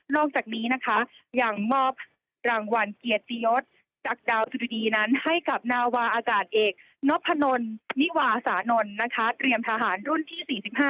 นอกจากนี้ยังมอบรางวัลเกียรติยศจากดาวสุดีนั้นให้กับนาวาอาจารย์เอกนพนนิวาสานนเรียมทหารรุ่นที่๔๕